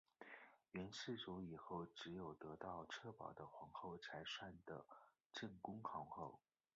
元世祖以后只有得到策宝的皇后才算正宫皇后。